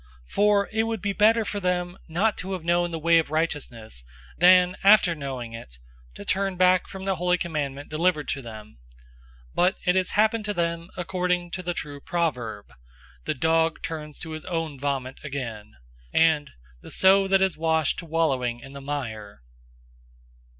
002:021 For it would be better for them not to have known the way of righteousness, than, after knowing it, to turn back from the holy commandment delivered to them. 002:022 But it has happened to them according to the true proverb, "The dog turns to his own vomit again,"{Proverbs 26:11} and "the sow that has washed to wallowing in the mire."